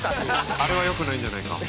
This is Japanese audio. あれは良くないんじゃないか？